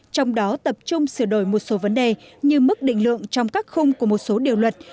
trong đó tập trung sửa đổi một số vấn đề như mức định lượng trong các khung của một số điều luật